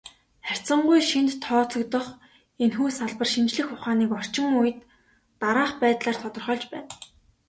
Харьцангуй шинэд тооцогдох энэхүү салбар шинжлэх ухааныг орчин үед дараах байдлаар тодорхойлж байна.